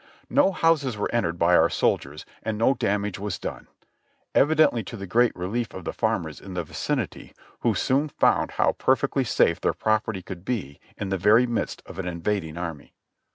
No houses were entered by our soldiers and no damage was done, evidently to the great relief of the farmers in the vicinity, who soon found how perfectly safe their property could be in the very midst of an invading army.